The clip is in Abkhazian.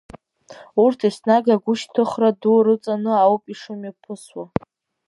Урҭ еснагь агәышьҭыхра ду рыҵаны ауп ишымҩаԥысуа.